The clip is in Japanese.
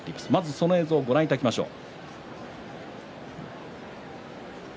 その映像をご覧いただきましょう。